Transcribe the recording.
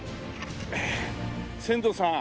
船頭さん。